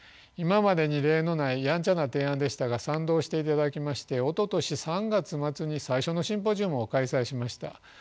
今までに例のない「やんちゃ」な提案でしたが賛同していただきましておととし３月末に最初のシンポジウムを開催しました。